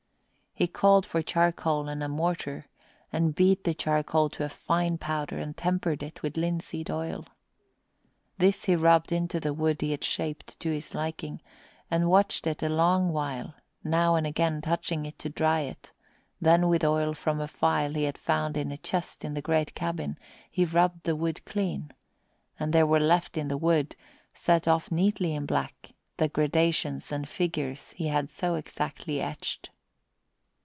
He called for charcoal and a mortar, and beat the charcoal to a fine powder and tempered it with linseed oil. This he rubbed into the wood he had shaped to his liking, and watched it a long while, now and again touching it to try it; then with oil from a phial he had found in a chest in the great cabin he rubbed the wood clean, and there were left in the wood, set off neatly in black, the gradations and figures he had so exactly etched.